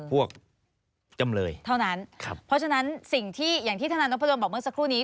จำเลยเท่านั้นครับเพราะฉะนั้นสิ่งที่อย่างที่ทนายนพดลบอกเมื่อสักครู่นี้